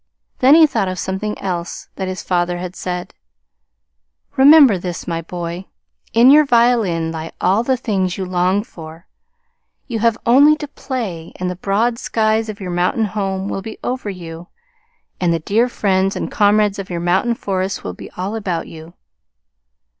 Then he thought of something else that his father had said: "Remember this, my boy, in your violin lie all the things you long for. You have only to play, and the broad skies of your mountain home will be over you, and the dear friends and comrades of your mountain forests will be all about you."